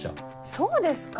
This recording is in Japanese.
そうですか？